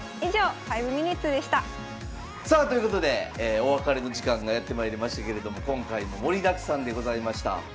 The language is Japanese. さあということでお別れの時間がやってまいりましたけれども今回も盛りだくさんでございました。